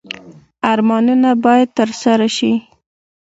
ارمانونه باید ترسره شي